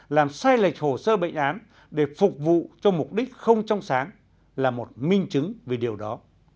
làm sai lệch hồ sơ bệnh án để phục vụ cho mục đích không trong sáng là một minh chứng về điều đó